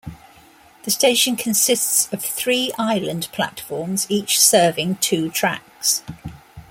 The station consists of three island platforms, each serving two tracks.